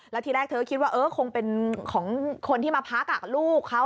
แล้วทีแรกเธอคิดว่าเออคงเป็นของคนที่มาพักลูกเขา